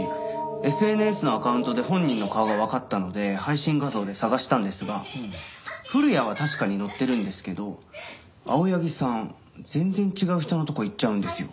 ＳＮＳのアカウントで本人の顔がわかったので配信画像で捜したんですが古谷は確かに乗ってるんですけど青柳さん全然違う人のとこ行っちゃうんですよ。